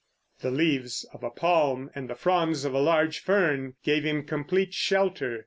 The leaves of a palm and the fronds of a large fern gave him complete shelter.